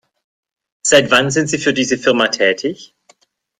Seit wann sind Sie für diese Firma tätig?